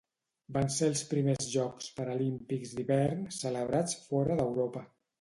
Van ser els primers Jocs Paralímpics d'hivern celebrats fora d'Europa.